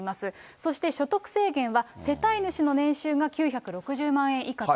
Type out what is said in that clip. そして所得制限は、世帯主の年収が９６０万円以下と。